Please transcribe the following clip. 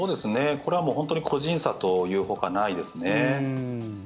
これはもう本当に個人差というほかないですね。